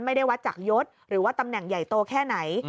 ไม่ได้วัดจากยศหรือว่าตำแหน่งใหญ่โตแค่ไหน